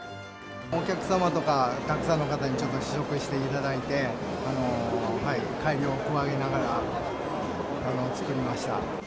お客様とかたくさんの方に、ちょっと試食していただいて、改良を加えながら作りました。